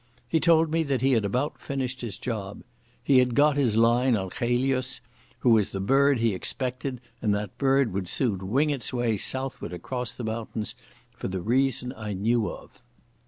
He told me that he had about finished his job. He had got his line on Chelius, who was the bird he expected, and that bird would soon wing its way southward across the mountains for the reason I knew of.